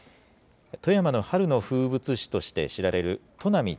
富山の春の風物詩として知られる、となみ